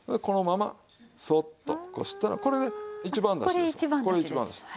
このままそっとこしたらこれで一番だしです。